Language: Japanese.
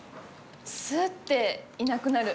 すっていなくなる。